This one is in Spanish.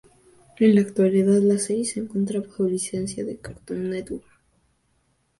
En la actualidad, la serie se encuentra bajo licencia de Cartoon Network.